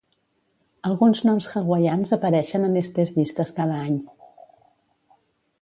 Alguns noms hawaians apareixen en estes llistes cada any.